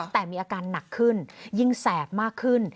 แต่มีอาการหนักขึ้นยิ่งแสบมากขึ้น